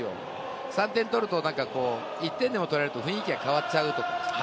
３点取ると、１点でも取られると雰囲気が変わっちゃうと。